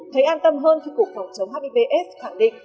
thấy an tâm hơn khi cục phòng chống hiv aids khẳng định